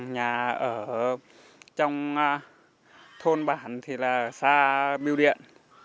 nhà ở trong thôn bản thì là xa biêu điện